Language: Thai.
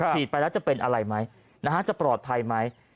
ไปแล้วจะเป็นอะไรไหมจะปลอดภัยไหม